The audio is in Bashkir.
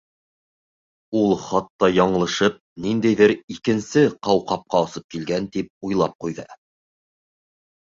Ул хатта яңлышып, ниндәйҙер икенсе ҡауҡабҡа осоп килгән, тип уйлап ҡуйҙы.